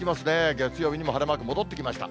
月曜日にも晴れマーク戻ってきました。